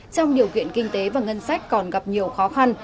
trong điều kiện kinh tế và ngân sách còn gặp nhiều khó khăn